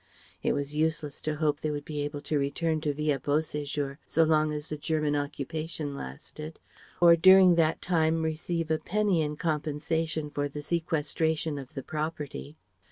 It was useless to hope they would be able to return to Villa Beau séjour so long as the German occupation lasted, or during that time receive a penny in compensation for the sequestration of the property.